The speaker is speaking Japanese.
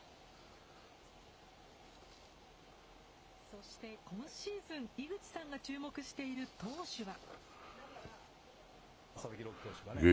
そして、今シーズン、井口さんが注目している投手は。